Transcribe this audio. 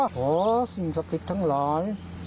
ขอสิ่งสติกทั้งหลาย